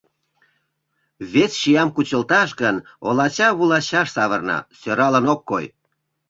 Вес чиям кучылташ гын, олача-вулачаш савырна, сӧралын ок кой.